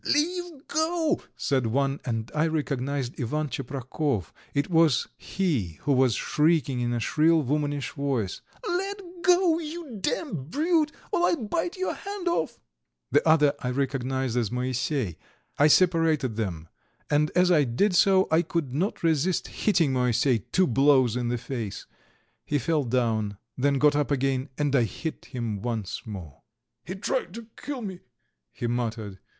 "Leave go," said one, and I recognized Ivan Tcheprakov; it was he who was shrieking in a shrill, womanish voice: "Let go, you damned brute, or I'll bite your hand off." The other I recognized as Moisey. I separated them, and as I did so I could not resist hitting Moisey two blows in the face. He fell down, then got up again, and I hit him once more. "He tried to kill me," he muttered.